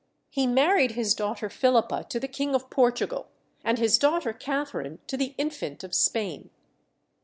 He married his daughter Philippa to the King of Portugal, and his daughter Catharine to the Infant of Spain.